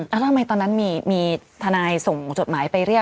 แล้วทำไมตอนนั้นมีทนายส่งจดหมายไปเรียก